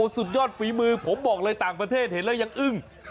สุดยอดฝีมือผมบอกเลยต่างประเทศเห็นแล้วยังอึ้ง